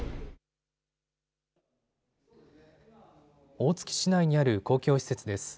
大月市内にある公共施設です。